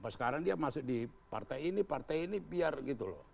sekarang dia masuk di partai ini partai ini biar gitu loh